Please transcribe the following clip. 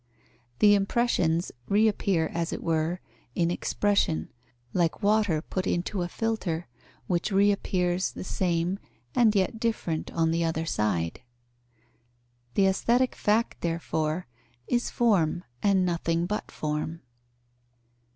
The impressions reappear as it were in expression, like water put into a filter, which reappears the same and yet different on the other side. The aesthetic fact, therefore, is form, and nothing but form.